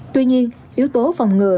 tuy nhiên yếu tố phòng ngừa